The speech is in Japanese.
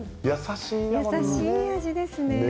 優しい味ですね。